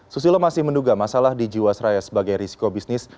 susilo masih menduga masalah di jiwasraya sebagai risiko bisnis